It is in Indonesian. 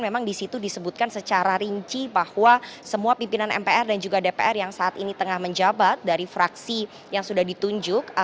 memang disitu disebutkan secara rinci bahwa semua pimpinan mpr dan juga dpr yang saat ini tengah menjabat dari fraksi yang sudah ditunjuk